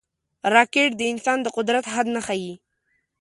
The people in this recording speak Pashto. راکټ د انسان د قدرت حد نه ښيي